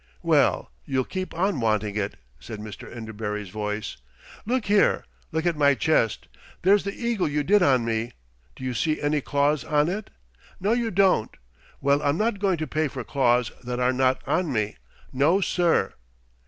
"Well, you'll keep on wanting it," said Mr. Enderbury's voice. "Look here! Look at my chest. There's the eagle you did on me do you see any claws on it? No, you don't! Well, I'm not going to pay for claws that are not on me. No, sir!"